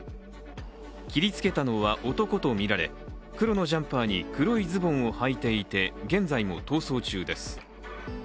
切りつけたのは男とみられ黒のジャンパーに黒いズボンをはいていて、現在も逃走中です。